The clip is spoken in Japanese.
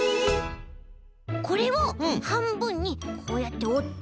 これをはんぶんにこうやっておって。